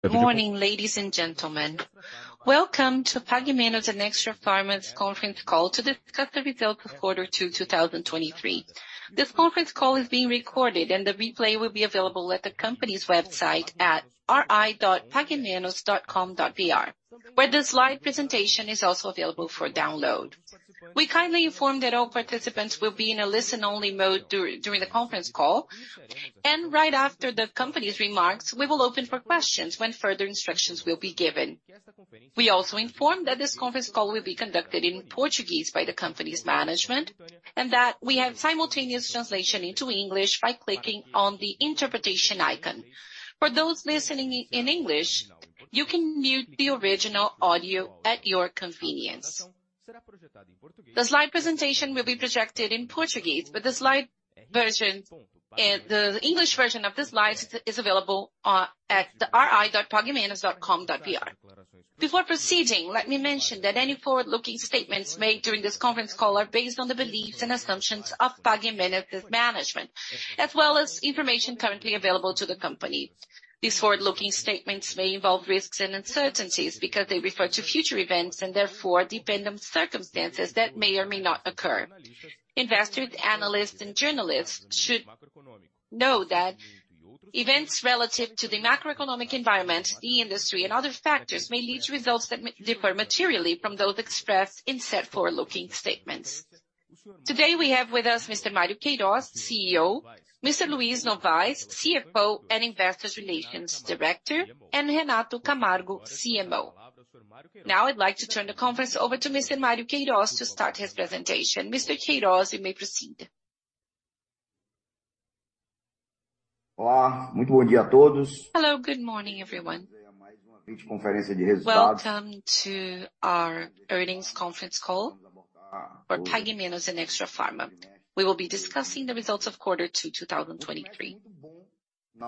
Good morning, ladies and gentlemen. Welcome to Pague Menos and Extrafarma's conference call to discuss the results of Q2 2023. This conference call is being recorded, and the replay will be available at the company's website at ri.paguemenos.com.br, where the slide presentation is also available for download. We kindly inform that all participants will be in a listen-only mode during the conference call, and right after the company's remarks, we will open for questions when further instructions will be given. We also inform that this conference call will be conducted in Portuguese by the company's management, and that we have simultaneous translation into English by clicking on the interpretation icon. For those listening in English, you can mute the original audio at your convenience. The slide presentation will be projected in Portuguese, but the slide version, the English version of the slides is, is available at the ri.paguemenos.com.br. Before proceeding, let me mention that any forward-looking statements made during this conference call are based on the beliefs and assumptions of Pague Menos' management, as well as information currently available to the company. These forward-looking statements may involve risks and uncertainties because they refer to future events and therefore depend on circumstances that may or may not occur. Investors, analysts, and journalists should know that events relative to the macroeconomic environment, the industry, and other factors may lead to results that m- differ materially from those expressed in said forward-looking statements. Today, we have with us Mr. Mario Queiroz, CEO, Mr. Luiz Novais, CFO and Investor Relations Director, and Renato Camargo, CMO. Now, I'd like to turn the conference over to Mr. Mario Queiroz to start his presentation. Mr. Queiroz, you may proceed. Hello, good morning, everyone. Welcome to our earnings conference call for Pague Menos and Extrafarma. We will be discussing the results of quarter two, 2023.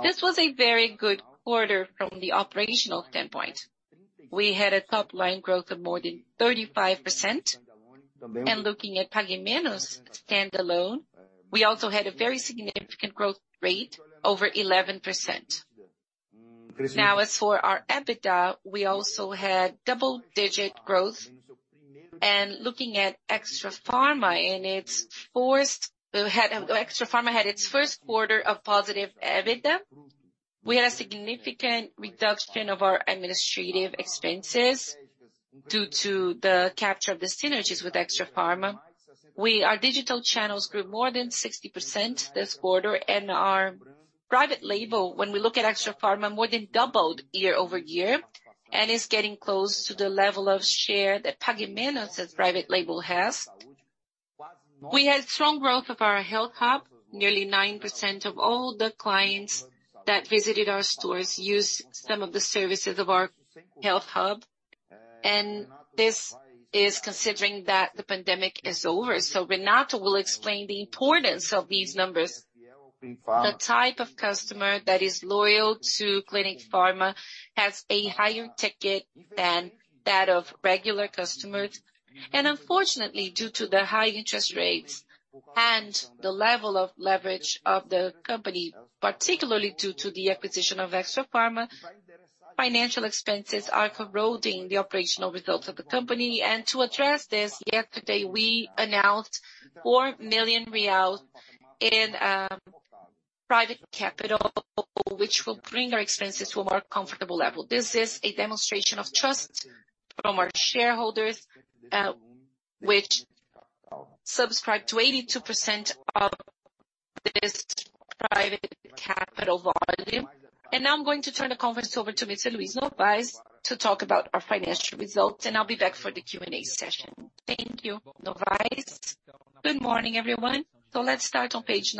This was a very good quarter from the operational standpoint. We had a top line growth of more than 35%, looking at Pague Menos standalone, we also had a very significant growth rate, over 11%. Now, as for our EBITDA, we also had double-digit growth. Looking at Extrafarma in its first quarter of positive EBITDA. We had a significant reduction of our administrative expenses due to the capture of the synergies with Extrafarma. Our digital channels grew more than 60% this quarter, and our private label, when we look at Extrafarma, more than doubled year-over-year, and is getting close to the level of share that Pague Menos' private label has. We had strong growth of our Health Hub. Nearly 9% of all the clients that visited our stores used some of the services of our Health Hub, and this is considering that the pandemic is over. Renato will explain the importance of these numbers. The type of customer that is loyal to Clinic Farma has a higher ticket than that of regular customers, and unfortunately, due to the high interest rates and the level of leverage of the company, particularly due to the acquisition of Extrafarma, financial expenses are corroding the operational results of the company. To address this, yesterday, we announced BRL 4 million in private capital, which will bring our expenses to a more comfortable level. This is a demonstration of trust from our shareholders, which subscribed to 82% of this private capital volume. Now I'm going to turn the conference over to Mr. Luiz Novais to talk about our financial results, and I'll be back for the Q&A session. Thank you. Novais. Good morning, everyone. Let's start on page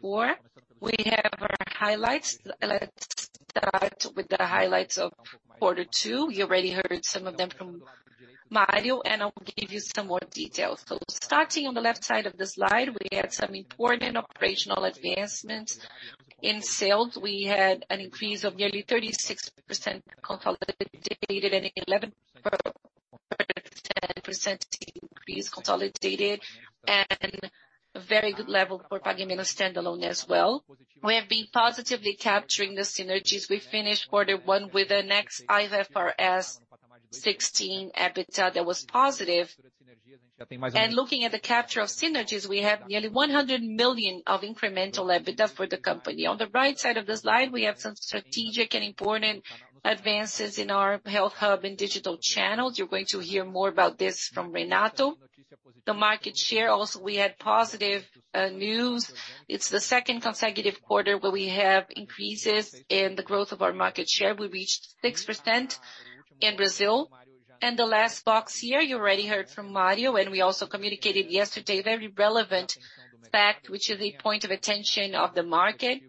four. We have our highlights. Let's start with the highlights of Q2. You already heard some of them from Mario, and I'll give you some more details. Starting on the left side of the slide, we had some important operational advancements. In sales, we had an increase of nearly 36% consolidated, and 11% increase consolidated, and very good level for Pague Menos standalone as well. We have been positively capturing the synergies. We finished Q1 with the next IFRS 16 EBITDA that was positive. Looking at the capture of synergies, we have nearly R$100 million of incremental EBITDA for the company. On the right side of the slide, we have some strategic and important advances in our Health Hub and digital channels. You're going to hear more about this from Renato. The market share, also, we had positive news. It's the second consecutive quarter where we have increases in the growth of our market share. We reached 6% in Brazil. The last box here, you already heard from Mario, and we also communicated yesterday, very relevant fact, which is a point of attention of the market.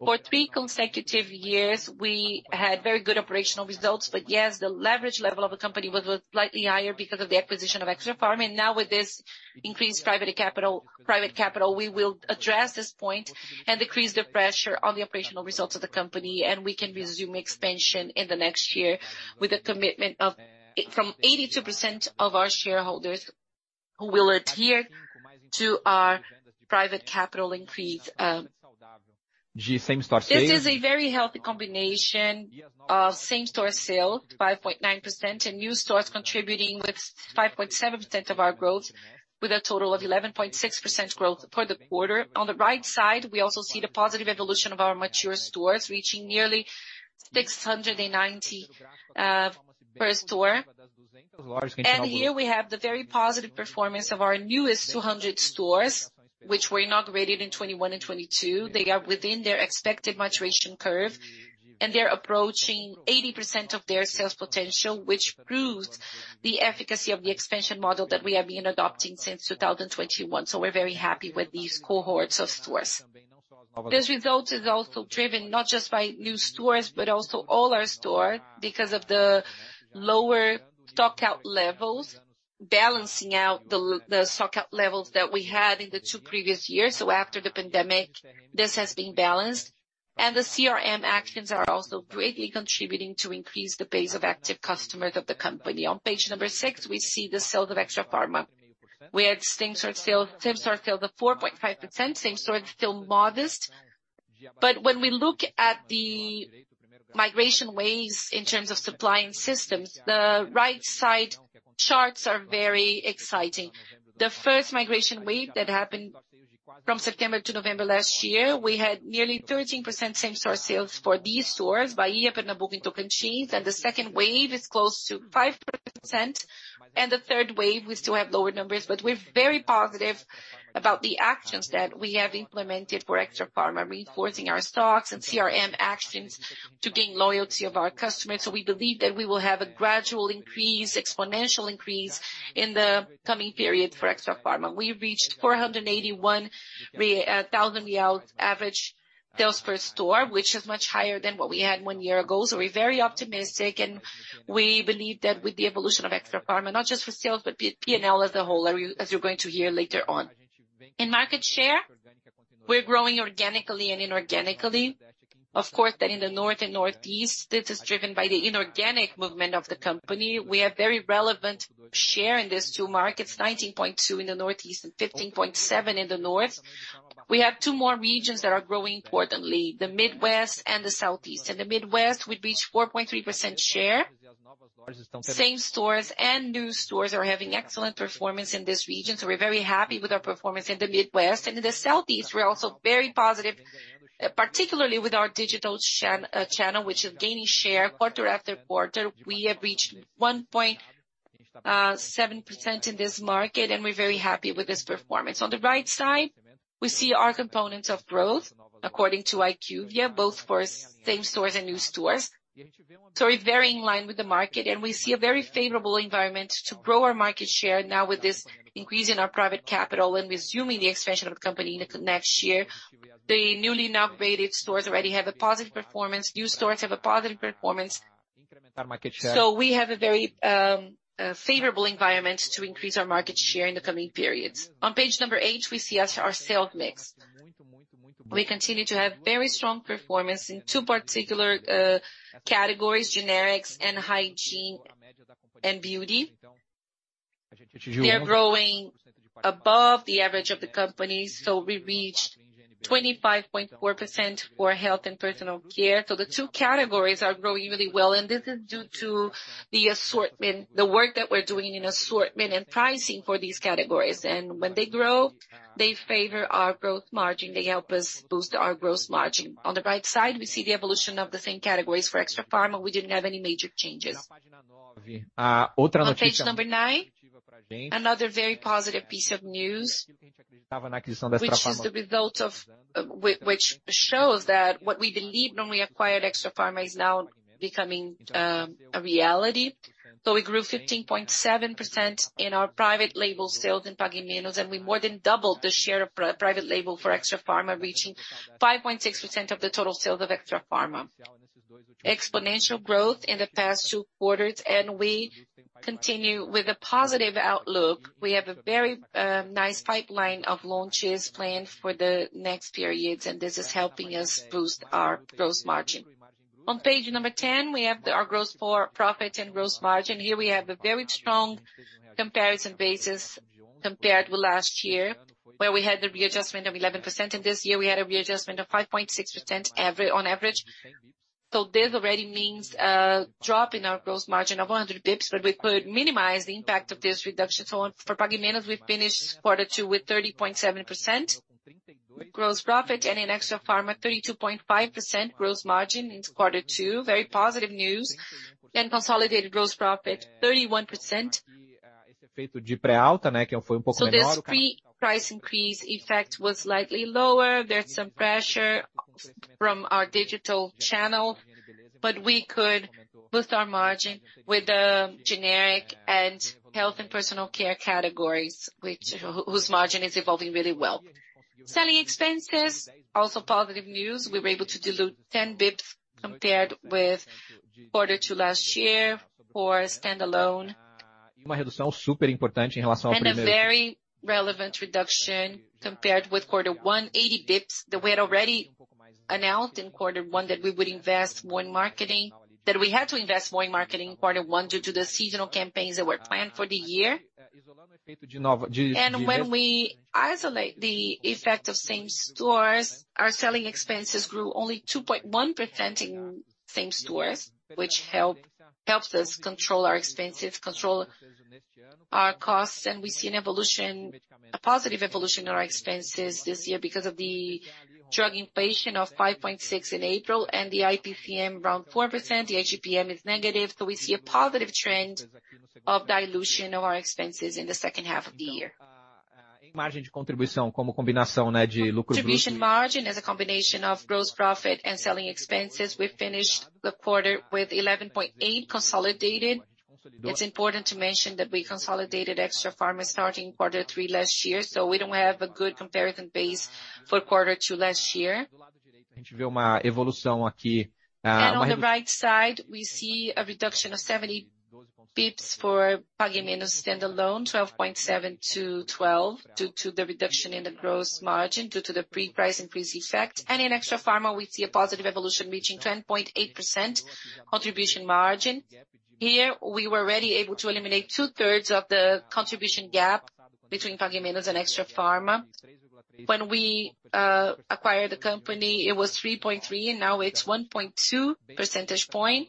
For three consecutive years, we had very good operational results, but yes, the leverage level of the company was, was slightly higher because of the acquisition of Extrafarma. Now with this increased private capital, private capital, we will address this point and decrease the pressure on the operational results of the company, and we can resume expansion in the next year with a commitment of, from 82% of our shareholders who will adhere to our private capital increase. This is a very healthy combination of same-store sale, 5.9%, and new stores contributing with 5.7% of our growth, with a total of 11.6% growth for the quarter. On the right side, we also see the positive evolution of our mature stores, reaching nearly 690 per store. Here we have the very positive performance of our newest 200 stores, which were inaugurated in 2021 and 2022. They are within their expected maturation curve, and they're approaching 80% of their sales potential, which proves the efficacy of the expansion model that we have been adopting since 2021. We're very happy with these cohorts of stores. This result is also driven not just by new stores, but also older store, because of the lower stockout levels, balancing out the stockout levels that we had in the two previous years. After the pandemic, this has been balanced, and the CRM actions are also greatly contributing to increase the base of active customers of the company. On page number six, we see the sales of Extrafarma. We had same store sale, same store sale of 4.5%, same-store is still modest. When we look at the migration waves in terms of supply and systems, the right side charts are very exciting. The first migration wave that happened from September to November last year, we had nearly 13% same-store sales for these stores, Bahia, Pernambuco and Tocantins, and the second wave is close to 5%, and the third wave, we still have lower numbers. We're very positive about the actions that we have implemented for Extrafarma, reinforcing our stocks and CRM actions to gain loyalty of our customers. We believe that we will have a gradual increase, exponential increase, in the coming period for Extrafarma. We reached R$ 481,000 average sales per store, which is much higher than what we had one year ago. We're very optimistic, and we believe that with the evolution of Extrafarma, not just for sales, but P&L as a whole, as you, as you're going to hear later on. In market share, we're growing organically and inorganically. Of course, that in the North and Northeast, this is driven by the inorganic movement of the company. We have very relevant share in these two markets, 19.2% in the Northeast and 15.7% in the North. We have two more regions that are growing importantly, the Midwest and the Southeast. In the Midwest, we've reached 4.3% share. Same stores and new stores are having excellent performance in this region, so we're very happy with our performance in the Midwest. In the Southeast, we're also very positive, particularly with our digital channel, which is gaining share quarter after quarter. We have reached 1.7% in this market, and we're very happy with this performance. On the right side, we see our components of growth, according to IQVIA, both for same stores and new stores. We're very in line with the market, and we see a very favorable environment to grow our market share. Now, with this increase in our private capital and resuming the expansion of the company in the next year, the newly inaugurated stores already have a positive performance. New stores have a positive performance. We have a very favorable environment to increase our market share in the coming periods. On page eight, we see our sales mix. We continue to have very strong performance in two particular categories, generics and hygiene and beauty. They are growing above the average of the company. We reached 25.4% for health and personal care. The two categories are growing really well, and this is due to the assortment, the work that we're doing in assortment and pricing for these categories. When they grow, they favor our growth margin. They help us boost our gross margin. On the right side, we see the evolution of the same categories. For Extrafarma, we didn't have any major changes. On page nine, another very positive piece of news, which is the result of... Which shows that what we believed when we acquired Extrafarma is now becoming a reality. We grew 15.7% in our private label sales in Pague Menos, and we more than doubled the share of private label for Extrafarma, reaching 5.6% of the total sales of Extrafarma. Exponential growth in the past two quarters. We continue with a positive outlook. We have a very nice pipeline of launches planned for the next periods. This is helping us boost our gross margin. On page number 10, we have the, our gross for profit and gross margin. Here we have a very strong comparison basis compared with last year, where we had the readjustment of 11%, and this year we had a readjustment of 5.6% on average. This already means a drop in our gross margin of 100 basis points, but we could minimize the impact of this reduction. For Pague Menos, we've finished quarter two with 30.7% gross profit, and in Extrafarma, 32.5% gross margin in quarter two. Very positive news. Consolidated gross profit, 31%. This pre-price increase effect was slightly lower. There's some pressure from our digital channel, but we could boost our margin with the generic and health and personal care categories, which whose margin is evolving really well. Selling expenses, also positive news. We were able to dilute 10 basis points compared with quarter two last year for standalone. A very relevant reduction compared with quarter one, 80 basis points, that we had. announced in quarter one that we would invest more in marketing, that we had to invest more in marketing in quarter one, due to the seasonal campaigns that were planned for the year. When we isolate the effect of same stores, our selling expenses grew only 2.1% in same stores, which helps us control our expenses, control our costs, and we see an evolution, a positive evolution in our expenses this year because of the drug inflation of 5.6% in April, and the IPCA around 4%, the IGP-M is negative. We see a positive trend of dilution of our expenses in the second half of the year. Contribution margin as a combination of gross profit and selling expenses, we finished the quarter with 11.8% consolidated. It's important to mention that we consolidated Extrafarma starting quarter three last year, so we don't have a good comparison base for quarter two last year. On the right side, we see a reduction of 70 pips for Pague Menos standalone, 12.7 to 12, due to the reduction in the gross margin, due to the pre-price increase effect. In Extrafarma, we see a positive evolution reaching 10.8% contribution margin. Here, we were already able to eliminate two-thirds of the contribution gap between Pague Menos and Extrafarma. When we acquired the company, it was 3.3, and now it's 1.2 percentage point.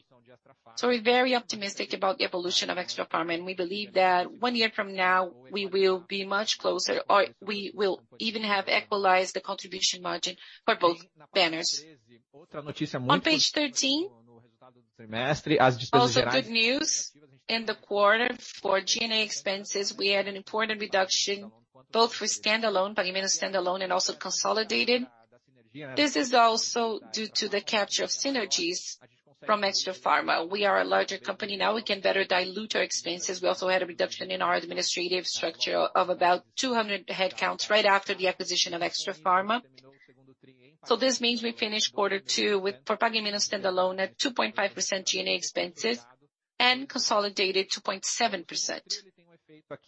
We're very optimistic about the evolution of Extrafarma, and we believe that one year from now, we will be much closer, or we will even have equalized the contribution margin for both banners. On page 13, also good news. In the quarter for G&A expenses, we had an important reduction, both for standalone, Pague Menos standalone and also consolidated. This is also due to the capture of synergies from Extrafarma. We are a larger company now, we can better dilute our expenses. We also had a reduction in our administrative structure of about 200 headcounts right after the acquisition of Extrafarma. This means we finished Q2 with for Pague Menos standalone at 2.5% G&A expenses and consolidated 2.7%.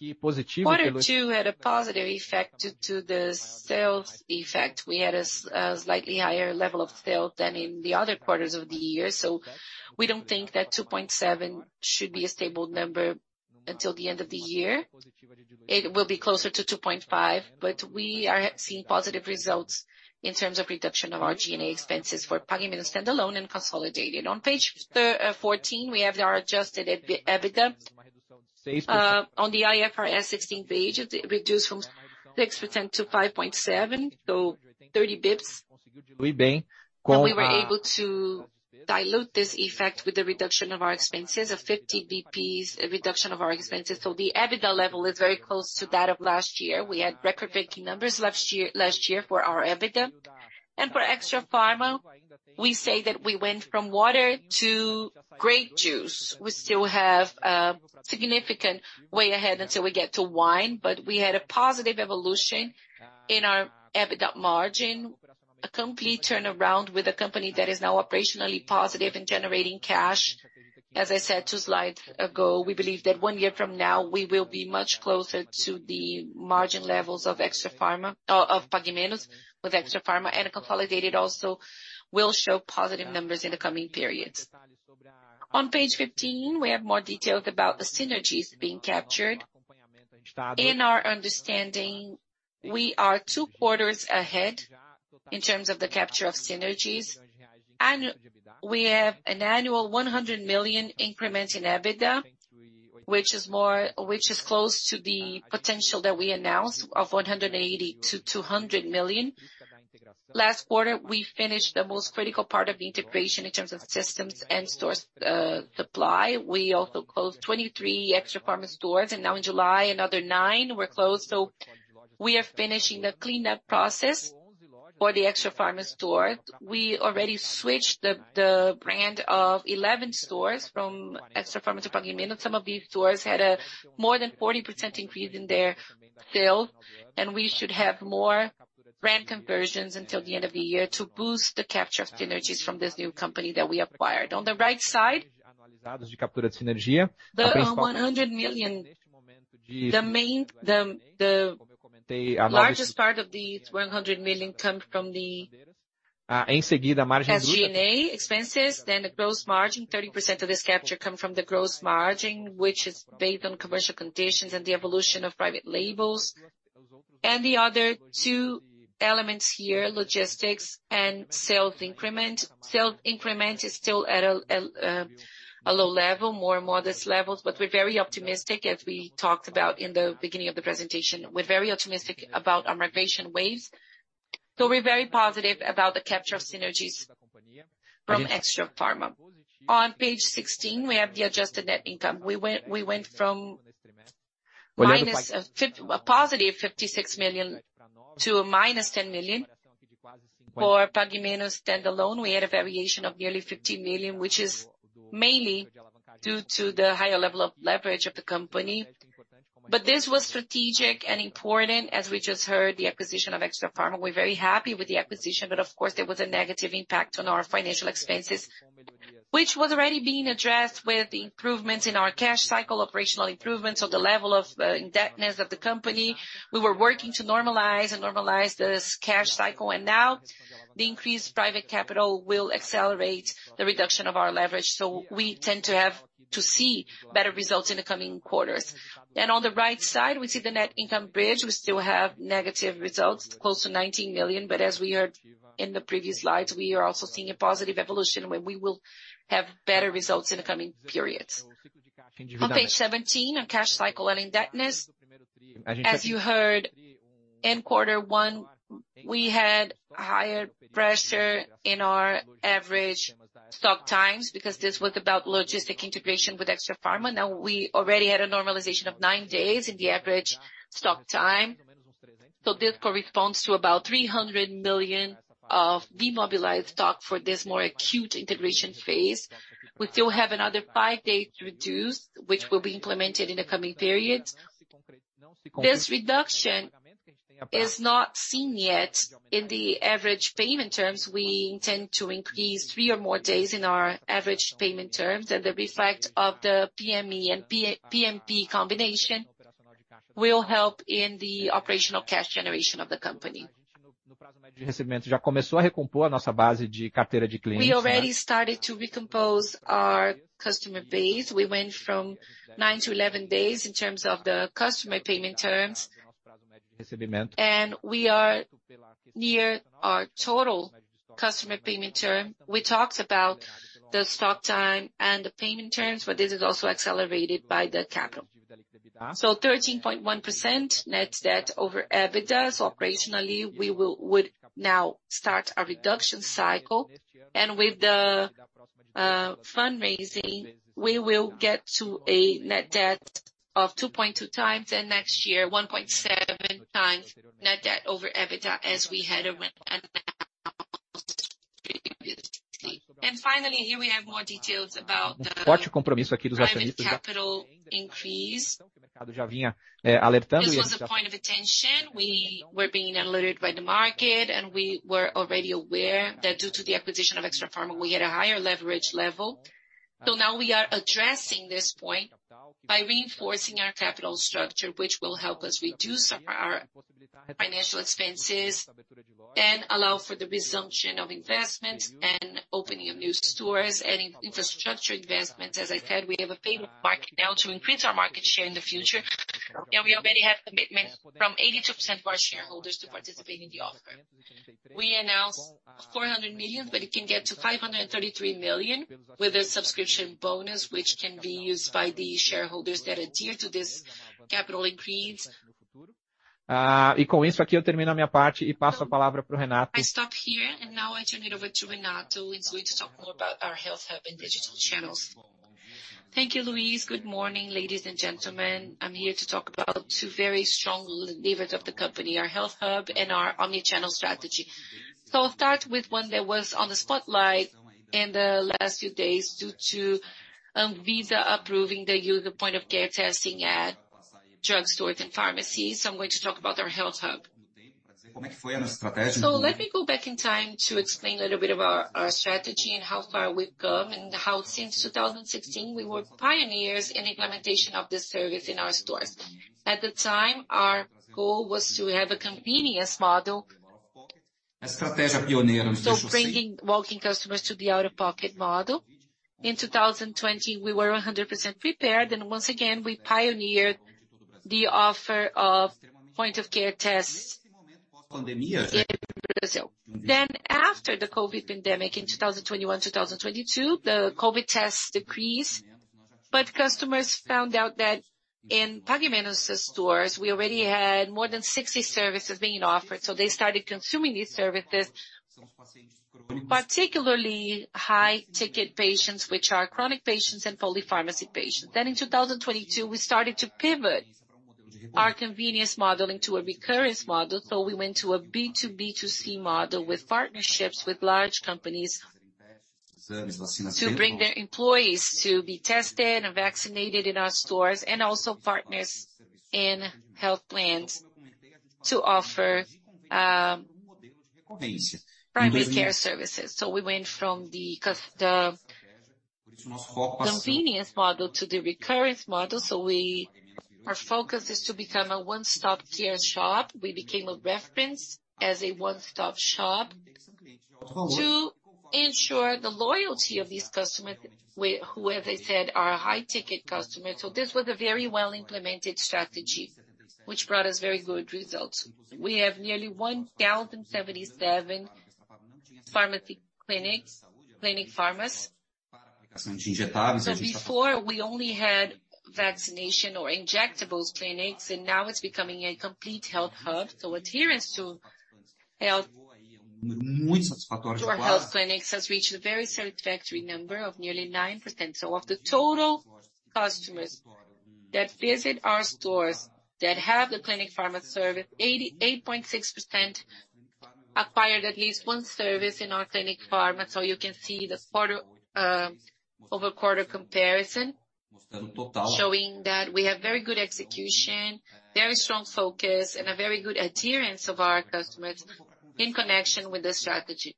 Q2 had a positive effect due to the sales effect. We had a slightly higher level of sale than in the other quarters of the year, so we don't think that 2.7 should be a stable number until the end of the year. It will be closer to 2.5, but we are seeing positive results in terms of reduction of our G&A expenses for Pague Menos standalone and consolidated. On page 14, we have our adjusted EBITDA. On the IFRS 16 page, it reduced from 6% to 5.7%, so 30 basis points. We were able to dilute this effect with the reduction of our expenses, a 50 basis points reduction of our expenses. The EBITDA level is very close to that of last year. We had record-breaking numbers last year, last year for our EBITDA. For Extrafarma, we say that we went from water to grape juice. We still have a significant way ahead until we get to wine, but we had a positive evolution in our EBITDA margin. A complete turnaround with a company that is now operationally positive and generating cash. As I said, two slides ago, we believe that one year from now, we will be much closer to the margin levels of Extrafarma, of Pague Menos with Extrafarma, and consolidated also will show positive numbers in the coming periods. On page 15, we have more details about the synergies being captured. In our understanding, we are two quarters ahead in terms of the capture of synergies, and we have an annual R$100 million increment in EBITDA, which is close to the potential that we announced of R$180 million-R$200 million. Last quarter, we finished the most critical part of the integration in terms of systems and stores, supply. We also closed 23 Extrafarma stores, and now in July, another nine were closed. We are finishing the cleanup process for the Extrafarma store. We already switched the brand of 11 stores from Extrafarma to Pague Menos. Some of these stores had a more than 40% increase in their sales, and we should have more brand conversions until the end of the year to boost the capture of synergies from this new company that we acquired. On the right side, the 100 million, the largest part of the 100 million come from the G&A expenses, then the gross margin. 30% of this capture come from the gross margin, which is based on commercial conditions and the evolution of private labels. The other two elements here, logistics and sales increment. Sales increment is still at a low level, more and more this levels, but we're very optimistic, as we talked about in the beginning of the presentation. We're very optimistic about our migration waves, we're very positive about the capture of synergies from Extrafarma. On page 16, we have the adjusted net income. We went, we went from minus a positive R$56 million to a minus R$10 million. For Pague Menos standalone, we had a variation of nearly R$50 million, which is mainly due to the higher level of leverage of the company. This was strategic and important, as we just heard, the acquisition of Extrafarma. We're very happy with the acquisition, but of course, there was a negative impact on our financial expenses. Which was already being addressed with the improvements in our cash cycle, operational improvements on the level of indebtedness of the company. We were working to normalize and normalize this cash cycle, and now the increased private capital will accelerate the reduction of our leverage. We tend to have to see better results in the coming quarters. On the right side, we see the net income bridge. We still have negative results, close to 19 million, but as we heard in the previous slides, we are also seeing a positive evolution, where we will have better results in the coming periods. On page 17, on cash cycle and indebtedness, as you heard, in Q1, we had higher pressure in our average stock times because this was about logistic integration with Extrafarma. We already had a normalization of nine days in the average stock time, so this corresponds to about 300 million of demobilized stock for this more acute integration phase. We still have another five days to reduce, which will be implemented in the coming period. This reduction is not seen yet in the average payment terms. We tend to increase three or more days in our average payment terms, the reflect of the PME and PMP combination will help in the operational cash generation of the company. We already started to recompose our customer base. We went from nine to 11 days in terms of the customer payment terms, we are near our total customer payment term. We talked about the stock time and the payment terms, this is also accelerated by the capital. 13.1% net debt over EBITDA. Operationally, we would now start a reduction cycle, with the fundraising, we will get to a net debt of 2.2 times, next year, 1.7 times net debt over EBITDA, as we had announced previously. Finally, here we have more details about the private capital increase. This was a point of attention. We were being alerted by the market, we were already aware that due to the acquisition of Extrafarma, we had a higher leverage level. Now we are addressing this point by reinforcing our capital structure, which will help us reduce our financial expenses and allow for the resumption of investments and opening of new stores and infrastructure investments. As I said, we have a payment market now to increase our market share in the future, we already have commitment from 82% of our shareholders to participate in the offer. We announced 400 million, it can get to 533 million with a subscription bonus, which can be used by the shareholders that adhere to this capital increase. I stop here, now I turn it over to Renato, who is going to talk more about our Health Hub and digital channels. Thank you, Luiz. Good morning, ladies and gentlemen. I'm here to talk about two very strong levers of the company, our Health Hub and our omnichannel strategy. I'll start with one that was on the spotlight in the last few days, due to Anvisa approving the point-of-care testing at drug stores and pharmacies. I'm going to talk about our Health Hub. Let me go back in time to explain a little bit about our, our strategy and how far we've come, and how since 2016, we were pioneers in implementation of this service in our stores. At the time, our goal was to have a convenience model. Bringing walking customers to the out-of-pocket model. In 2020, we were 100% prepared, and once again, we pioneered the offer of point-of-care tests in Brazil. After the COVID pandemic in 2021, 2022, the COVID tests decreased, but customers found out that in Pague Menos stores, we already had more than 60 services being offered, so they started consuming these services, particularly high ticket patients, which are chronic patients and polypharmacy patients. In 2022, we started to pivot our convenience model into a recurrence model, so we went to a B2B2C model with partnerships with large companies to bring their employees to be tested and vaccinated in our stores, and also partners in health plans to offer primary care services. We went from the convenience model to the recurrence model, our focus is to become a one-stop care shop. We became a reference as a one-stop shop to ensure the loyalty of these customers, who, as I said, are high-ticket customers. This was a very well-implemented strategy, which brought us very good results. We have nearly 1,077 pharmacy clinics, Clinic Farmácias. Before, we only had vaccination or injectables clinics, and now it's becoming a complete Health Hub. Adherence to our health clinics, has reached a very satisfactory number of nearly 9%. Of the total customers that visit our stores that have the Clinic Farmácia service, 88.6% acquired at least one service in our Clinic Farmácia. You can see the quarter over quarter comparison.... showing that we have very good execution, very strong focus, and a very good adherence of our customers in connection with the strategy.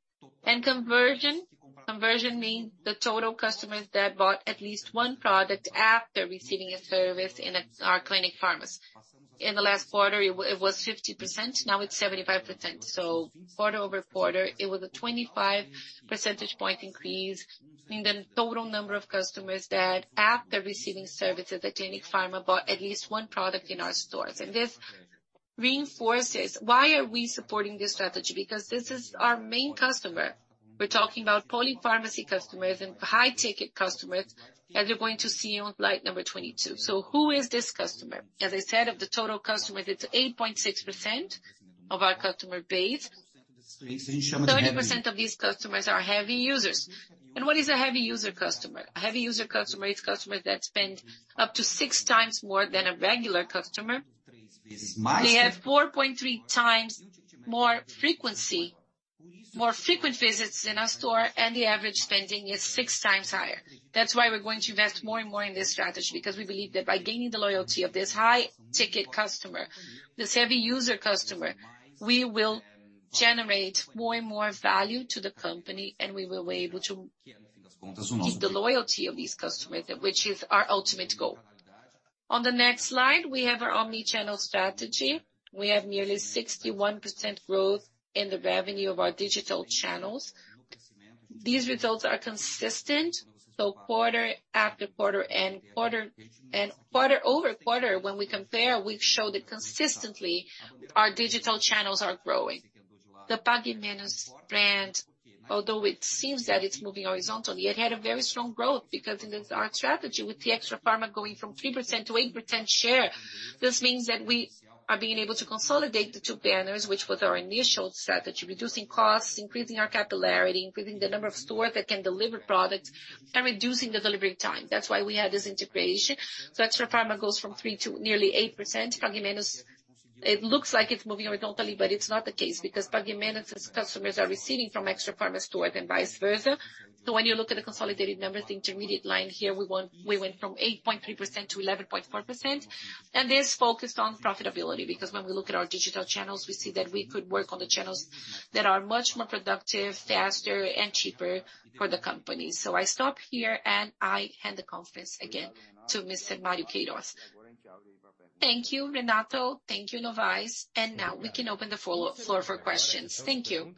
Conversion, conversion means the total customers that bought at least one product after receiving a service in our Clinic Farma. In the last quarter, it was 50%, now it's 75%. Quarter-over-quarter, it was a 25 percentage point increase in the total number of customers that after receiving services at Clinic Farma, bought at least one product in our stores. This reinforces why are we supporting this strategy? Because this is our main customer. We're talking about polypharmacy customers and high-ticket customers, as you're going to see on slide number 22. Who is this customer? As I said, of the total customer, it's 8.6% of our customer base. 30% of these customers are heavy users. What is a heavy user customer? A heavy user customer is customer that spend up to six times more than a regular customer. We have 4.3 times more frequency, more frequent visits in our store, and the average spending is six times higher. That's why we're going to invest more and more in this strategy, because we believe that by gaining the loyalty of this high-ticket customer, this heavy user customer, we will generate more and more value to the company, and we will be able to keep the loyalty of these customers, which is our ultimate goal. On the next slide, we have our omnichannel strategy. We have nearly 61% growth in the revenue of our digital channels. These results are consistent, quarter after quarter and quarter, and quarter over quarter, when we compare, we've showed that consistently, our digital channels are growing. The Pague Menos brand, although it seems that it's moving horizontally, it had a very strong growth because it is our strategy with the Extrafarma going from 3% to 8% share. This means that we are being able to consolidate the two banners, which was our initial strategy, reducing costs, increasing our capillarity, increasing the number of stores that can deliver products, and reducing the delivery time. That's why we had this integration. Extrafarma goes from three to nearly 8%. Pague Menos, it looks like it's moving horizontally, but it's not the case because Pague Menos' customers are receiving from Extrafarma store and vice versa. When you look at the consolidated numbers, the intermediate line here, we went from 8.3% to 11.4%. This focused on profitability, because when we look at our digital channels, we see that we could work on the channels that are much more productive, faster, and cheaper for the company. I stop here, I hand the conference again to Mr. Mario Queiroz. Thank you, Renato. Thank you, Novais. Now we can open the follow-up floor for questions. Thank you.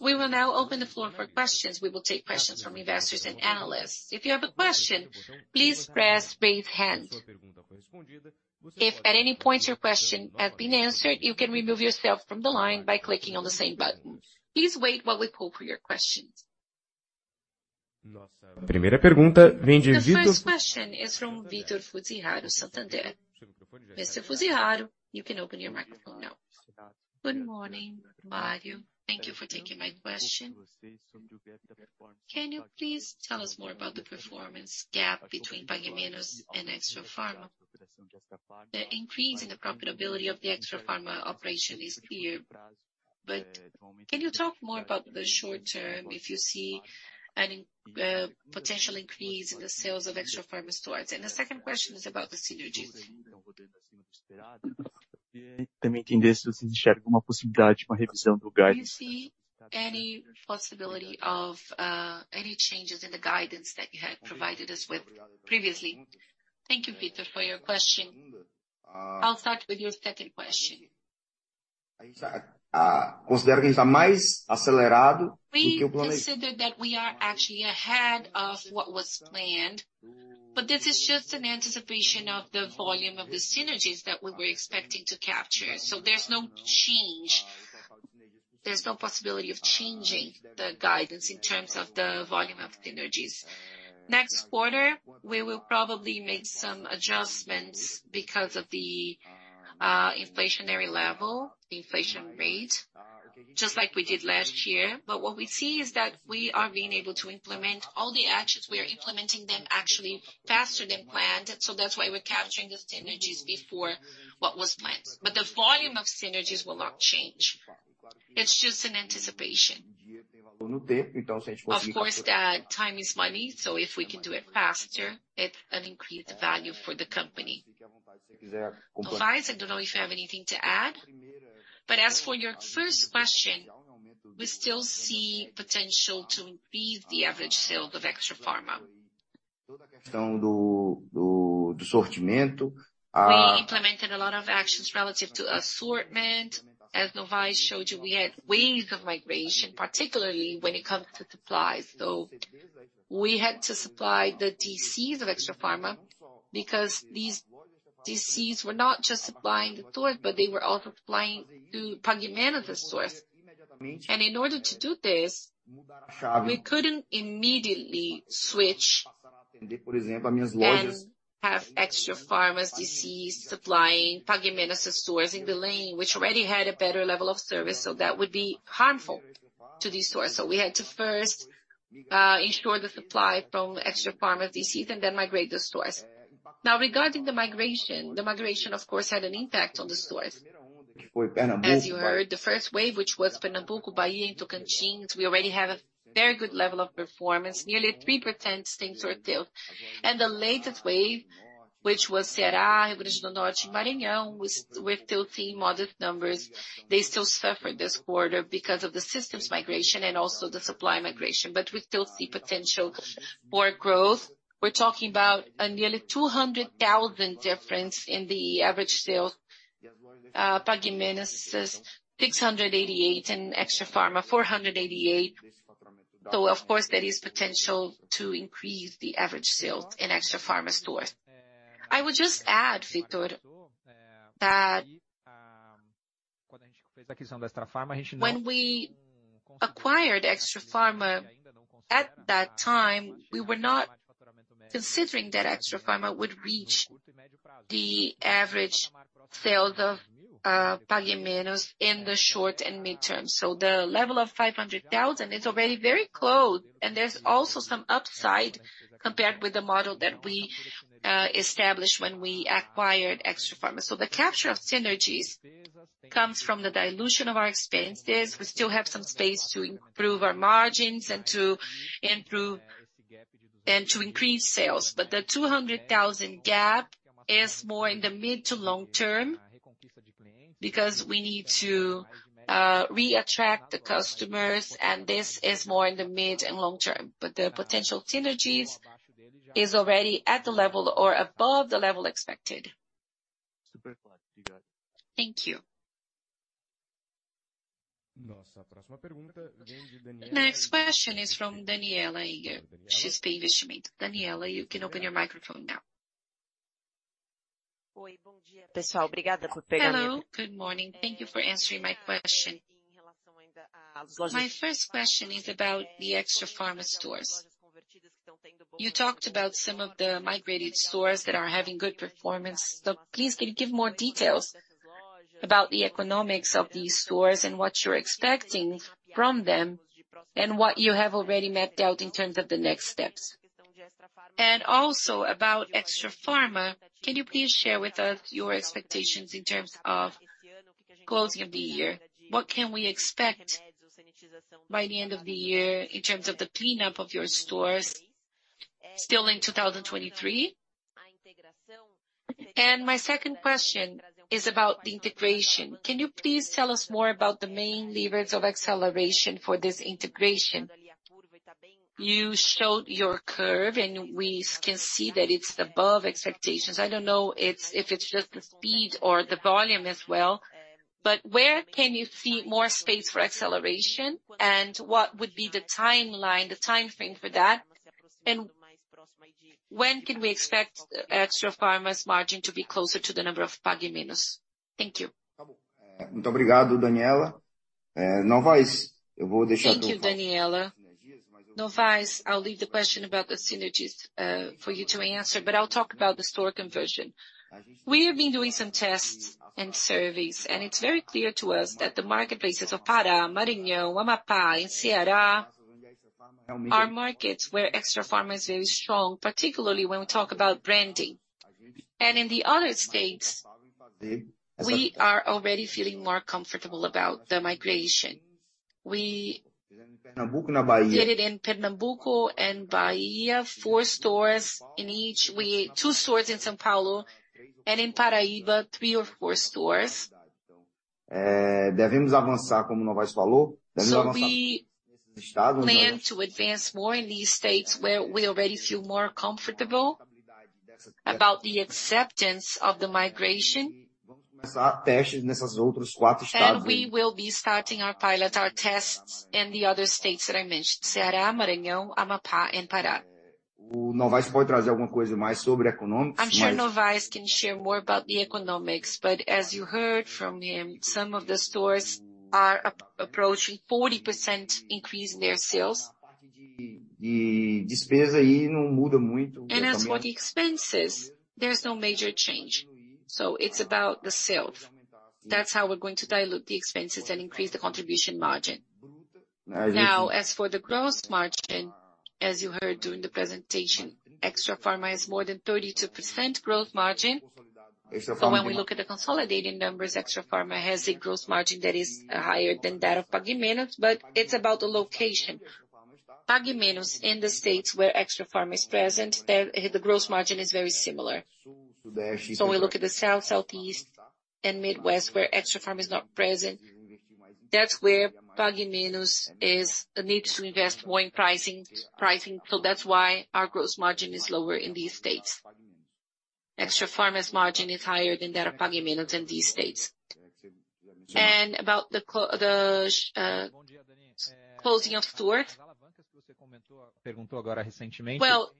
We will now open the floor for questions. We will take questions from investors and analysts. If you have a question, please press raise hand. If at any point your question has been answered, you can remove yourself from the line by clicking on the same button. Please wait while we pull for your questions. The first question is from Vitor Fuziharo, Santander. Mr. Fuziharo, you can open your microphone now. Good morning, Mario. Thank you for taking my question. Can you please tell us more about the performance gap between Pague Menos and Extrafarma? The increase in the profitability of the Extrafarma operation is clear, but can you talk more about the short term, if you see an potential increase in the sales of Extrafarma stores? The second question is about the synergies. Do you see any possibility of any changes in the guidance that you had provided us with previously? Thank you, Victor, for your question. I'll start with your second question. We consider that we are actually ahead of what was planned, this is just an anticipation of the volume of the synergies that we were expecting to capture. There's no change. There's no possibility of changing the guidance in terms of the volume of synergies. Next quarter, we will probably make some adjustments because of the inflationary level, the inflation rate, just like we did last year. What we see is that we are being able to implement all the actions. We are implementing them actually faster than planned, that's why we're capturing the synergies before what was planned. The volume of synergies will not change. It's just an anticipation. Of course, that time is money. If we can do it faster, it's an increased value for the company. Novais, I don't know if you have anything to add. As for your first question, we still see potential to increase the average sale of Extrafarma. We implemented a lot of actions relative to assortment. As Novais showed you, we had waves of migration, particularly when it comes to supplies. We had to supply the DCs of Extrafarma because these DCs were not just supplying the stores, but they were also supplying to Pague Menos stores. In order to do this, we couldn't immediately switch and have Extrafarma's DC supplying Pague Menos' stores in the lane, which already had a better level of service, so that would be harmful to these stores. We had to first ensure the supply from Extrafarma's DC, and then migrate the stores. Now, regarding the migration, the migration, of course, had an impact on the stores. As you heard, the first wave, which was Pernambuco, Bahia, and Tocantins, we already have a very good level of performance. Nearly 3% things were dealt. The latest wave, which was Ceará, Rio Grande do Norte, Maranhão, we're still seeing modest numbers. They still suffered this quarter because of the systems migration and also the supply migration, but we still see potential for growth. We're talking about a nearly 200,000 difference in the average sales. Pague Menos is 688, and Extrafarma, 488. Of course, there is potential to increase the average sales in Extrafarma stores. I would just add, Vitor, that when we acquired Extrafarma, at that time, we were not considering that Extrafarma would reach the average sales of Pague Menos in the short and midterm. The level of R$ 500,000 is already very close, and there's also some upside compared with the model that we established when we acquired Extrafarma. The capture of synergies comes from the dilution of our expenses. We still have some space to improve our margins and to increase sales. The R$ 200,000 gap is more in the mid to long term, because we need to reattract the customers, and this is more in the mid and long term. The potential synergies is already at the level or above the level expected. Thank you. The next question is from Danniela Eiger, she's XP Investimentos. Danniela, you can open your microphone now. Hello, good morning. Thank you for answering my question. My first question is about the Extrafarma stores. You talked about some of the migrated stores that are having good performance, so please, can you give more details about the economics of these stores and what you're expecting from them, and what you have already mapped out in terms of the next steps? Also about Extrafarma, can you please share with us your expectations in terms of closing of the year? What can we expect by the end of the year in terms of the cleanup of your stores still in 2023? My second question is about the integration. Can you please tell us more about the main levers of acceleration for this integration? You showed your curve, we can see that it's above expectations. I don't know if it's just the speed or the volume as well, but where can you see more space for acceleration, and what would be the timeline, the time frame for that? When can we expect Extrafarma's margin to be closer to the number of Pague Menos? Thank you. Thank you, Danniela. Novais, I'll leave the question about the synergies for you to answer, but I'll talk about the store conversion. We have been doing some tests and surveys, and it's very clear to us that the marketplaces of Pará, Maranhão, Amapá, and Ceará are markets where Extrafarma is very strong, particularly when we talk about branding. In the other states, we are already feeling more comfortable about the migration. We did it in Pernambuco and Bahia, four stores in each. Two stores in São Paulo, and in Paraíba, three or four stores. We plan to advance more in these states, where we already feel more comfortable about the acceptance of the migration. We will be starting our pilot, our tests, in the other states that I mentioned, Ceará, Maranhão, Amapá, and Pará. I'm sure Novais can share more about the economics, but as you heard from him, some of the stores are approaching 40% increase in their sales. As for the expenses, there's no major change. It's about the sales. That's how we're going to dilute the expenses and increase the contribution margin. Now, as for the gross margin, as you heard during the presentation, Extrafarma has more than 32% growth margin. When we look at the consolidated numbers, Extrafarma has a gross margin that is higher than that of Pague Menos, but it's about the location. Pague Menos, in the states where Extrafarma is present, the gross margin is very similar. We look at the South, Southeast, and Midwest, where Extrafarma is not present, that's where Pague Menos needs to invest more in pricing, pricing, so that's why our gross margin is lower in these states. Extrafarma's margin is higher than that of Pague Menos in these states. About the closing of stores. Well,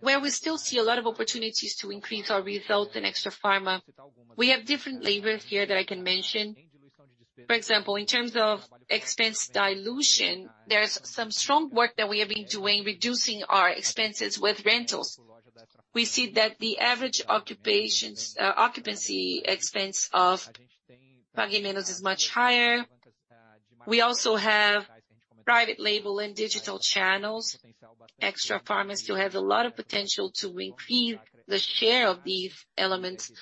where we still see a lot of opportunities to increase our results in Extrafarma, we have different levers here that I can mention. For example, in terms of expense dilution, there's some strong work that we have been doing, reducing our expenses with rentals. We see that the average occupations, occupancy expense of Pague Menos is much higher. We also have private label and digital channels. Extrafarma still have a lot of potential to increase the share of these elements,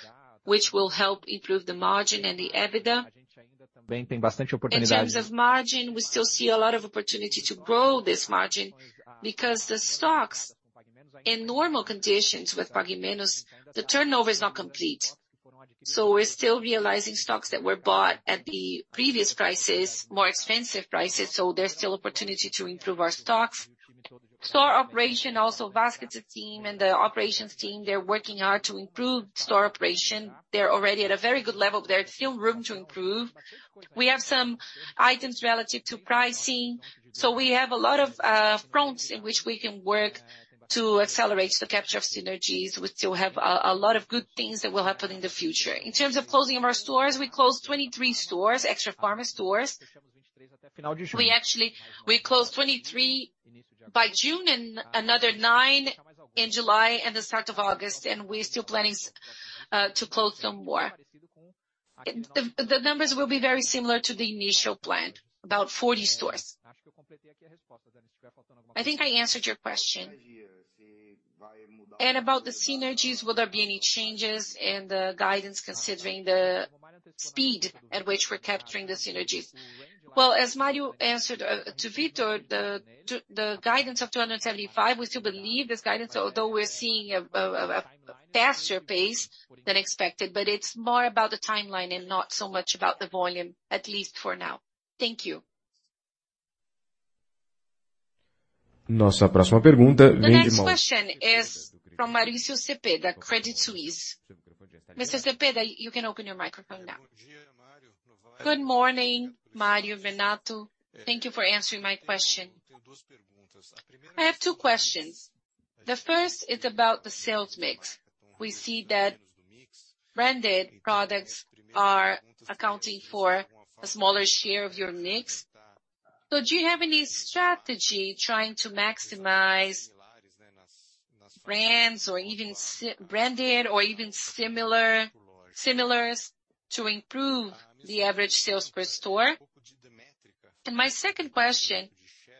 which will help improve the margin and the EBITDA. In terms of margin, we still see a lot of opportunity to grow this margin, because the stocks in normal conditions with Pague Menos, the turnover is not complete. We're still realizing stocks that were bought at the previous prices, more expensive prices, so there's still opportunity to improve our stocks. Store operation, also baskets team and the operations team, they're working hard to improve store operation. They're already at a very good level, there's still room to improve. We have some items relative to pricing, so we have a lot of fronts in which we can work to accelerate the capture of synergies. We still have a lot of good things that will happen in the future. In terms of closing of our stores, we closed 23 stores, Extrafarma stores. We actually closed 23 by June, and another nine in July and the start of August, and we're still planning to close some more. The numbers will be very similar to the initial plan, about 40 stores. I think I answered your question. About the synergies, will there be any changes in the guidance, considering the speed at which we're capturing the synergies? Well, as Mario answered to Victor, the guidance of R$ 275, we still believe this guidance, although we're seeing a faster pace than expected, but it's more about the timeline and not so much about the volume, at least for now. Thank you. The next question is from Mauricio Cepeda, Credit Suisse. Mr. Cepeda, you can open your microphone now. Good morning, Mario, Renato. Thank you for answering my question. I have two questions. The first is about the sales mix. We see that branded products are accounting for a smaller share of your mix. Do you have any strategy trying to maximize brands or even branded or even similar to improve the average sales per store? My second question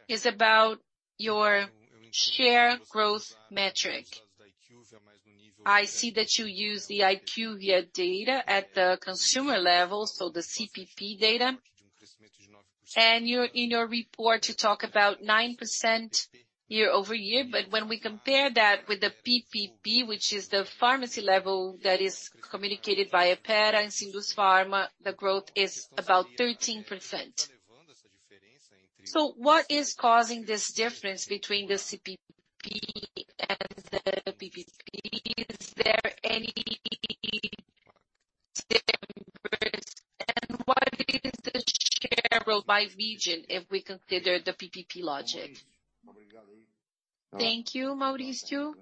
is about your share growth metric. I see that you use the IQVIA data at the consumer level, so the CPP data, in your report, you talk about 9% year-over-year. When we compare that with the PPP, which is the pharmacy level that is communicated by ePharma and Sindusfarma, the growth is about 13%. What is causing this difference between the CPP and the PPP? Is there any difference, and what is the share by region if we consider the PPP logic? Thank you, Mauricio.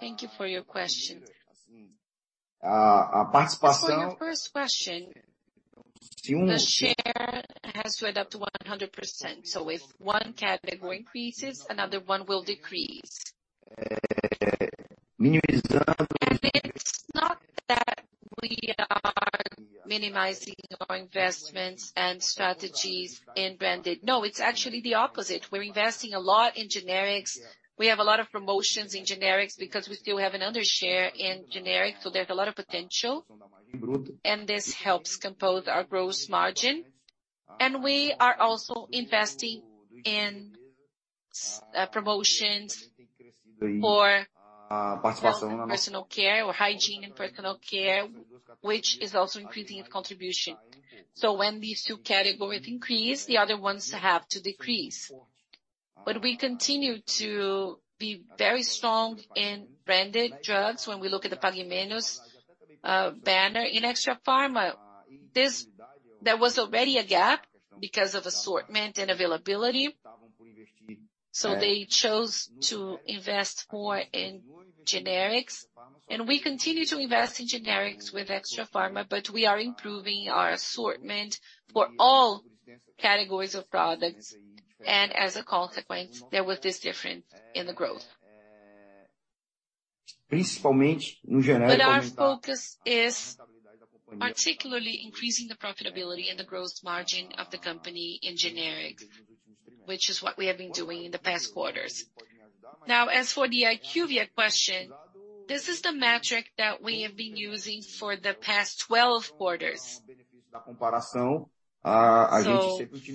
Thank you for your question. Your first question, the share has to add up to 100%, so if one category increases, another one will decrease. It's not that we are minimizing our investments and strategies in branded. No, it's actually the opposite. We're investing a lot in generics. We have a lot of promotions in generics because we still have another share in generic, so there's a lot of potential, and this helps compose our gross margin. We are also investing in promotions for personal care or hygiene and personal care, which is also increasing its contribution. When these two categories increase, the other ones have to decrease. We continue to be very strong in branded drugs when we look at the Pague Menos banner in Extrafarma. There was already a gap because of assortment and availability, so they chose to invest more in generics. We continue to invest in generics with Extrafarma, but we are improving our assortment for all categories of products, and as a consequence, there was this difference in the growth. Our focus is particularly increasing the profitability and the growth margin of the company in generics, which is what we have been doing in the past quarters. As for the IQVIA question, this is the metric that we have been using for the past 12 quarters.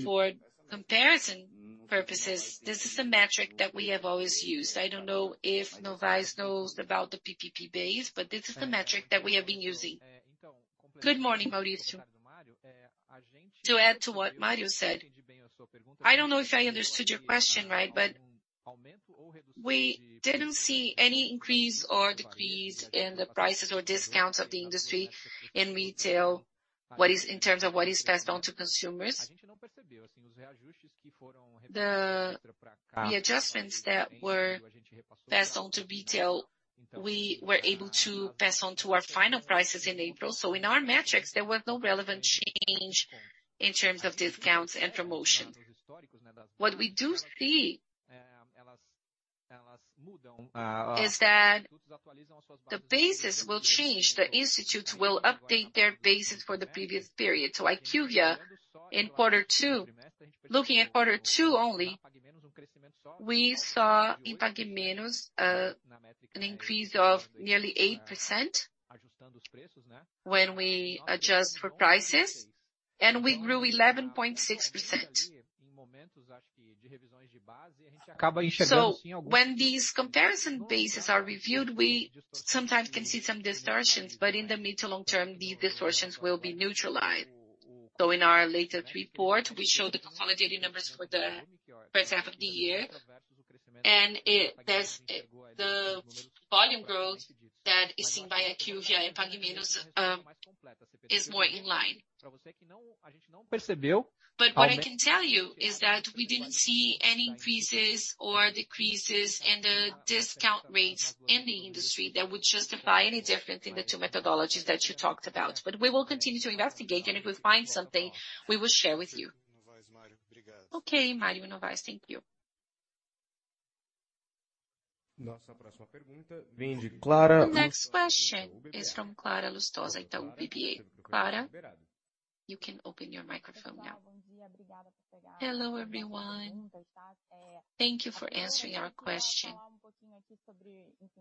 For comparison purposes, this is the metric that we have always used. I don't know if Novais knows about the PPP base, but this is the metric that we have been using. Good morning, Mauricio. to add to what Mario said, I don't know if I understood your question right, but we didn't see any increase or decrease in the prices or discounts of the industry in retail, in terms of what is passed on to consumers. The adjustments that were passed on to retail, we were able to pass on to our final prices in April. In our metrics, there was no relevant change in terms of discounts and promotion. What we do see is that the basis will change. The institutes will update their basis for the previous period. IQVIA, in quarter two, looking at quarter two only, we saw in Pague Menos, an increase of nearly 8% when we adjust for prices, and we grew 11.6%. When these comparison bases are reviewed, we sometimes can see some distortions, but in the mid to long term, these distortions will be neutralized. In our latest report, we show the consolidated numbers for the first half of the year, and there's, the volume growth that is seen by IQVIA and Pague Menos, is more in line. What I can tell you is that we didn't see any increases or decreases in the discount rates in the industry that would justify any difference in the two methodologies that you talked about. We will continue to investigate, and if we find something, we will share with you. Okay, Mario Novais, thank you. The next question is from Clara Lustosa, from Itaú BBA. Clara, you can open your microphone now. Hello, everyone. Thank you for answering our question.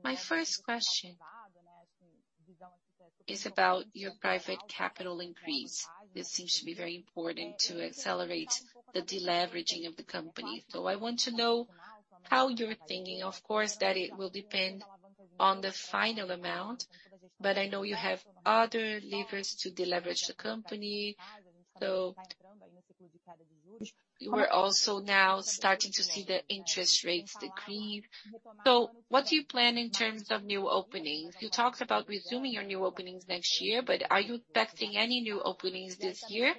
My first question is about your private capital increase. This seems to be very important to accelerate the deleveraging of the company. I want to know how you're thinking. Of course, that it will depend on the final amount, but I know you have other levers to deleverage the company. We're also now starting to see the interest rates decrease. What do you plan in terms of new openings? You talked about resuming your new openings next year, but are you expecting any new openings this year?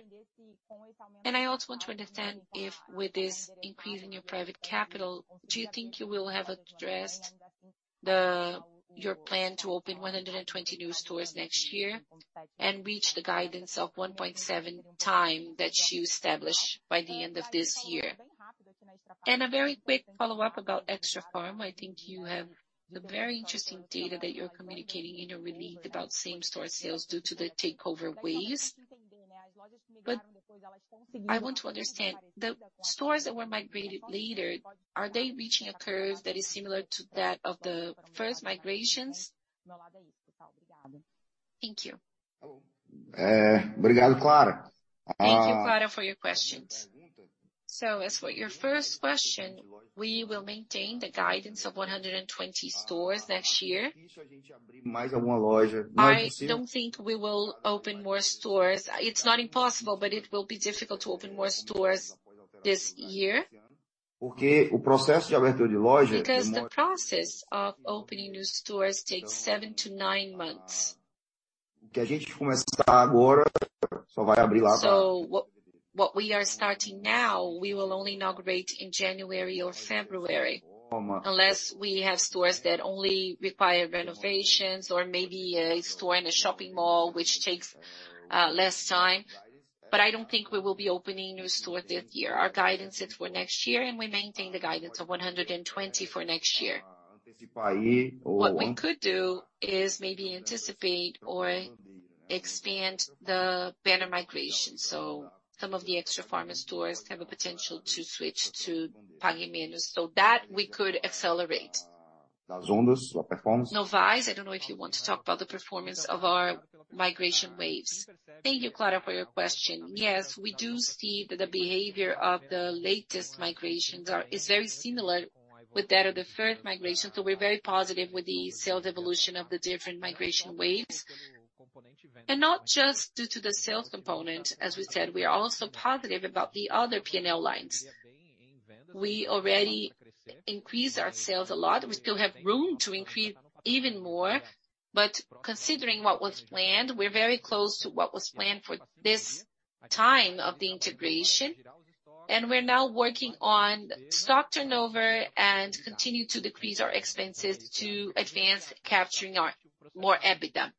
I also want to understand if with this increase in your private capital, do you think you will have addressed the-- your plan to open 120 new stores next year and reach the guidance of 1.7x that you established by the end of this year? A very quick follow-up about Extrafarma. I think you have the very interesting data that you're communicating in your release about same-store sales due to the takeover waves. I want to understand, the stores that were migrated later, are they reaching a curve that is similar to that of the first migrations? Thank you. Thank you, Clara, for your questions. As for your first question, we will maintain the guidance of 120 stores next year. I don't think we will open more stores. It's not impossible, but it will be difficult to open more stores this year. Because the process of opening new stores takes 7-9 months. What we are starting now, we will only inaugurate in January or February, unless we have stores that only require renovations or maybe a store in a shopping mall, which takes less time. I don't think we will be opening a new store this year. Our guidance is for next year, and we maintain the guidance of 120 for next year. What we could do is maybe anticipate or expand the banner migration. Some of the Extrafarma stores have a potential to switch to Pague Menos, so that we could accelerate. Novais, I don't know if you want to talk about the performance of our migration waves. Thank you, Clara, for your question. Yes, we do see that the behavior of the latest migrations is very similar with that of the third migration. We're very positive with the sales evolution of the different migration waves, and not just due to the sales component. As we said, we are also positive about the other P&L lines. We already increased our sales a lot. We still have room to increase even more, but considering what was planned, we're very close to what was planned for this time of the integration. We're now working on stock turnover and continue to decrease our expenses to advance capturing our more EBITDA.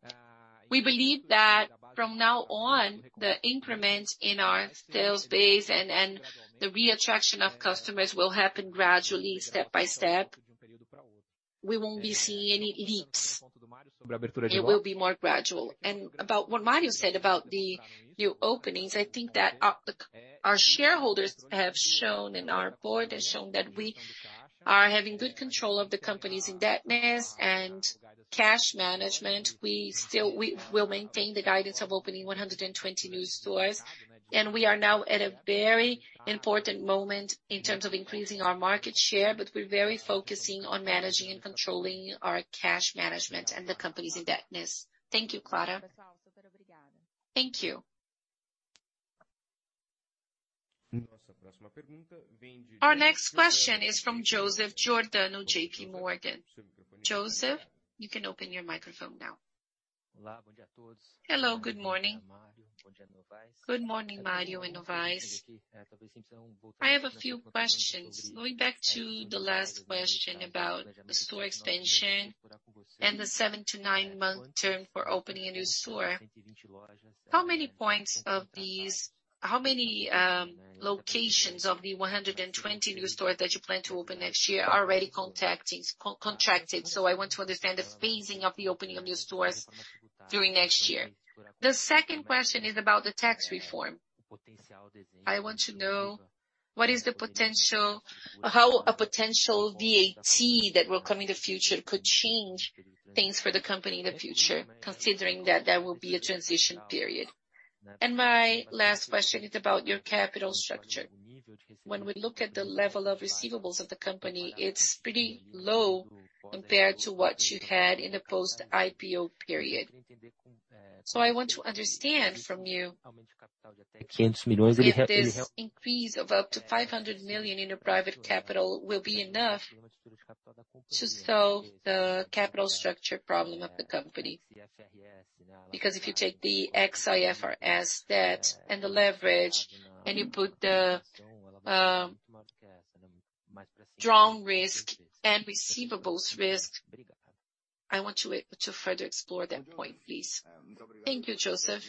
We believe that from now on, the increment in our sales base and the reattraction of customers will happen gradually, step by step. We won't be seeing any leaps. It will be more gradual. About what Mario said about the new openings, I think that our, our shareholders have shown and our board has shown that we are having good control of the company's indebtedness and cash management. We'll maintain the guidance of opening 120 new stores, and we are now at a very important moment in terms of increasing our market share, but we're very focusing on managing and controlling our cash management and the company's indebtedness. Thank you, Clara. Thank you. Our next question is from Joseph Giordano, J.P. Morgan. Joseph, you can open your microphone now. Hello, good morning. Good morning, Mario and Novais. I have a few questions. Going back to the last question about the store expansion and the seven to nine-month term for opening a new store. How many points of these, how many locations of the 120 new stores that you plan to open next year are already contracted? I want to understand the phasing of the opening of new stores during next year. The second question is about the tax reform. I want to know how a potential VAT that will come in the future could change things for the company in the future, considering that there will be a transition period. My last question is about your capital structure. When we look at the level of receivables of the company, it's pretty low compared to what you had in the post-IPO period. I want to understand from you, if this increase of up to 500 million in your private capital will be enough to solve the capital structure problem of the company. If you take the ex-IFRS debt and the leverage, and you put the stock risk and receivables risk, I want you to further explore that point, please. Thank you, Joseph.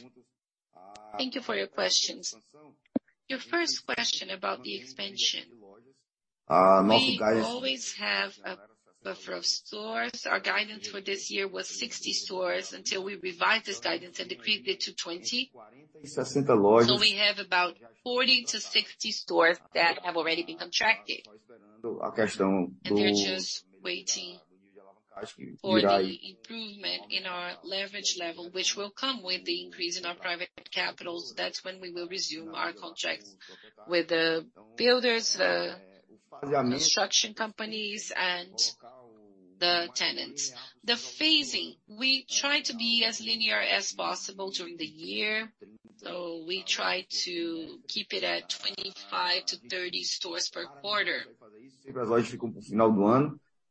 Thank you for your questions. Your first question about the expansion, we always have a buffer of stores. Our guidance for this year was 60 stores until we revised this guidance and decreased it to 20. We have about 40-60 stores that have already been contracted, and they're just waiting for the improvement in our leverage level, which will come with the increase in our private capitals. That's when we will resume our contracts with the builders, the construction companies, and the tenants. The phasing, we try to be as linear as possible during the year, so we try to keep it at 25 to 30 stores per quarter.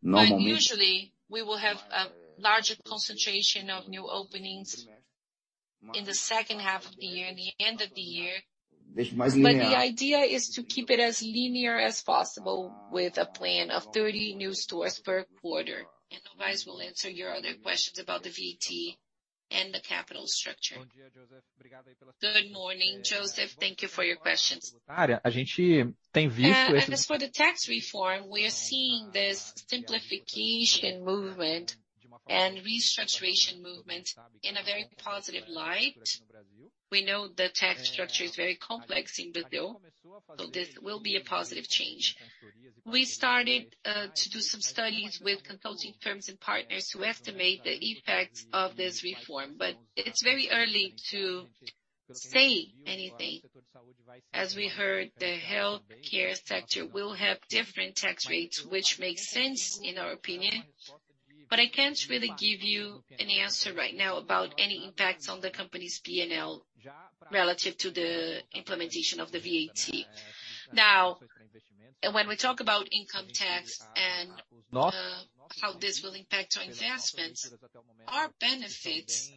Usually, we will have a larger concentration of new openings in the second half of the year, in the end of the year. The idea is to keep it as linear as possible with a plan of 30 new stores per quarter, and Novais will answer your other questions about the VAT and the capital structure. Good morning, Joseph. Thank you for your questions. As for the tax reform, we are seeing this simplification movement and restructuration movement in a very positive light. We know the tax structure is very complex in Brazil, so this will be a positive change. We started to do some studies with consulting firms and partners who estimate the effects of this reform. It's very early to say anything. As we heard, the healthcare sector will have different tax rates, which makes sense in our opinion. I can't really give you an answer right now about any impacts on the company's P&L relative to the implementation of the VAT. Now, when we talk about income tax and how this will impact our investments, our benefits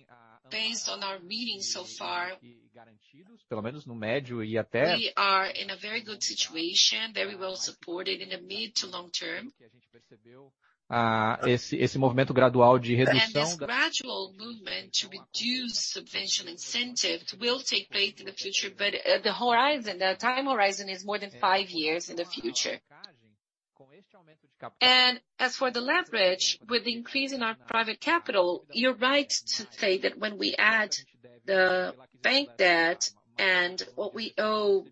based on our meetings so far, we are in a very good situation, very well supported in the mid to long term. This gradual movement to reduce substantial incentive will take place in the future. The horizon, the time horizon is more than five years in the future. As for the leverage, with the increase in our private capital, you're right to say that when we add the bank debt and what we owe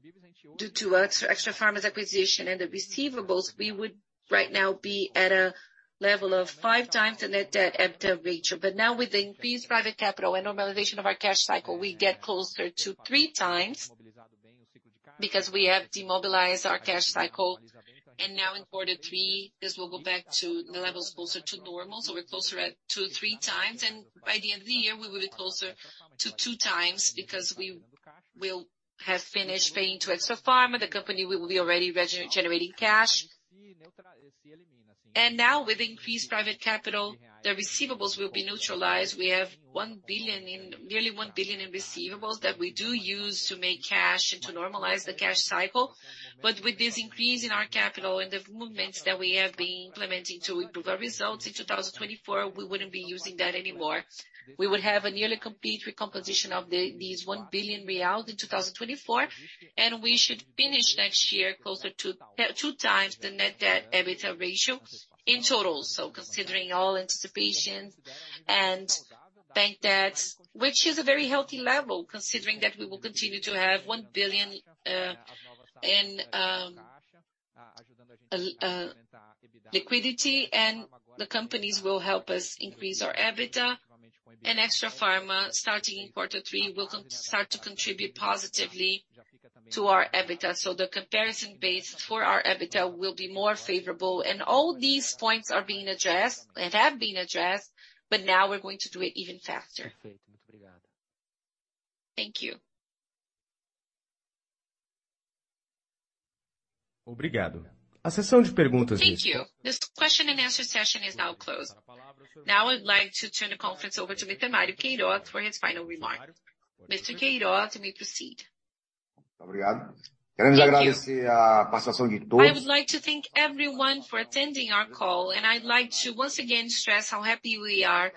due to Extrafarma's acquisition and the receivables, we would right now be at a level of five times the net debt EBITDA ratio. Now, with the increased private capital and normalization of our cash cycle, we get closer to three times, because we have demobilized our cash cycle. Now in quarter three, this will go back to the levels closer to normal. We're closer at two, three times, and by the end of the year, we will be closer to two times because we will have finished paying to Extrafarma. The company will be already generating cash. Now, with increased private capital, the receivables will be neutralized. We have 1 billion in-- nearly 1 billion in receivables that we do use to make cash and to normalize the cash cycle. With this increase in our capital and the movements that we have been implementing to improve our results in 2024, we wouldn't be using that anymore. We would have a nearly complete recomposition of the these BRL 1 billion in 2024, and we should finish next year closer to two times the net debt EBITDA ratio in total. Considering all anticipations and bank debts, which is a very healthy level, considering that we will continue to have 1 billion in liquidity, and the companies will help us increase our EBITDA. Extrafarma, starting in Q3, will start to contribute positively to our EBITDA. The comparison base for our EBITDA will be more favorable. All these points are being addressed and have been addressed, but now we're going to do it even faster. Thank you. Thank you. This question and answer session is now closed. I'd like to turn the conference over to Mr. Mario Queiroz for his final remarks. Mr. Queiroz, you may proceed. Thank you. I would like to thank everyone for attending our call. I'd like to once again stress how happy we are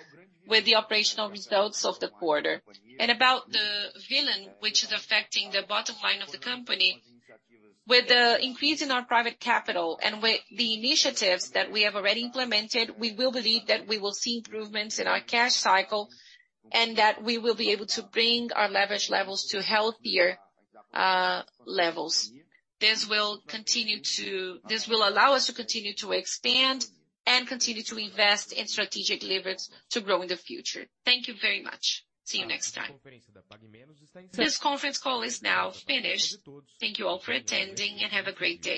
with the operational results of the quarter. About the villain, which is affecting the bottom line of the company, with the increase in our private capital and with the initiatives that we have already implemented, we will believe that we will see improvements in our cash cycle, and that we will be able to bring our leverage levels to healthier levels. This will allow us to continue to expand and continue to invest in strategic levers to grow in the future. Thank you very much. See you next time. This conference call is now finished. Thank you all for attending, and have a great day.